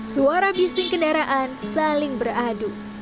suara bising kendaraan saling beradu